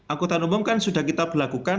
angkutan umum kan sudah kita berlakukan